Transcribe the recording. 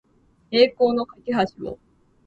栄光の架橋を